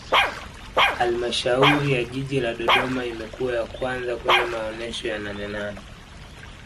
halmashauri ya jiji la dodoma imekuwa ya kwanza kwenye maonesho ya nanenane